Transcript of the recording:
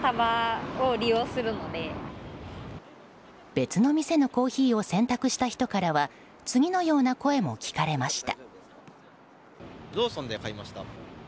別の店のコーヒーを選択した人からは次のような声も聞かれました。